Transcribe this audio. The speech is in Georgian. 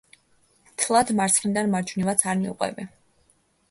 მთლად მარცხნიდან მარჯვნივაც არ მივყვები.